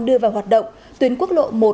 đưa vào hoạt động tuyến quốc lộ một